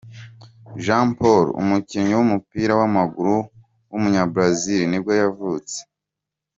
João Paulo, umukinnyi w’umupira w’amaguru w’umunyabrazil nibwo yavutse.